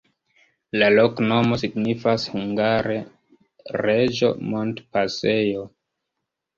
La loknomo signifas hungare: reĝo-montpasejo.